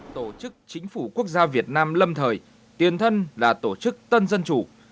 tổ chức chính phủ quốc gia việt nam lâm thời tiền thân là tổ chức tân dân chủ